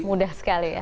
mudah sekali ya